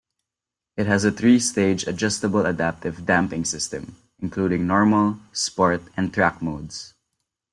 It has a three-stage adjustable adaptive damping system including normal, sport and track modes.